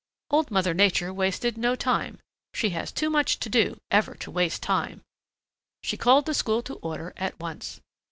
Old Mother Nature wasted no time. She has too much to do ever to waste time. She called the school to order at once.